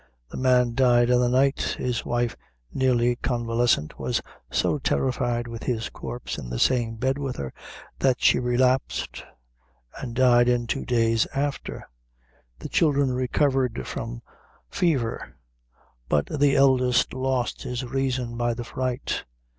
The man died in the night; his wife, nearly convalescent, was so terrified with his corpse in the same bed with her, that she relapsed, and died in two days after; the children recovered from fever, but the eldest lost his reason by the fright.